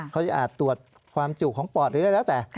เขาจะตรวจความจุของปอดเลยแล้วแต่